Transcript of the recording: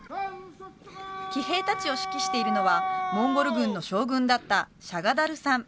騎兵達を指揮しているのはモンゴル軍の将軍だったシャガダルさん